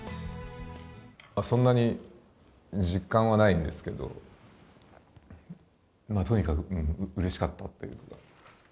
そんなに実感はないんですけど、とにかくうれしかったということが。